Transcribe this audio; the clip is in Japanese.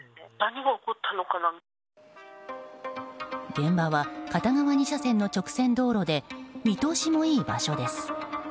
現場は片側２車線の直線道路で見通しのいい場所です。